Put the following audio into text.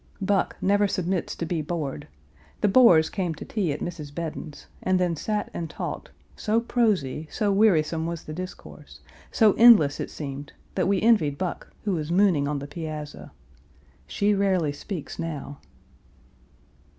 Buck never submits to be bored. The bores came to tea at Mrs. Bedon's, and then sat and talked, so prosy, so wearisome was the discourse, so endless it seemed, that we envied Buck, who was mooning on the piazza. She rarely speaks now.